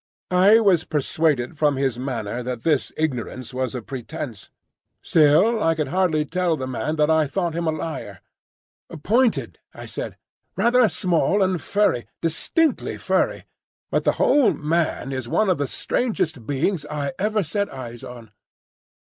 I was persuaded from his manner that this ignorance was a pretence. Still, I could hardly tell the man that I thought him a liar. "Pointed," I said; "rather small and furry,—distinctly furry. But the whole man is one of the strangest beings I ever set eyes on."